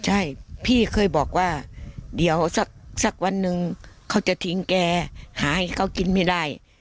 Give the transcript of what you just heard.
ใช่พี่เคยบอกว่าเดี๋ยวสักวันหนึ่งเขาจะทิ้งแกหาให้เขากินไม่ได้